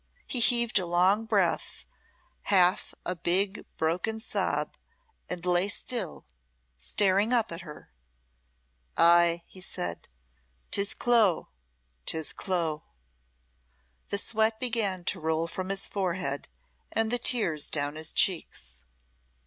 He heaved a long breath, half a big, broken sob, and lay still, staring up at her. "Ay," he said, "'tis Clo! 'tis Clo!" The sweat began to roll from his forehead, and the tears down his cheeks.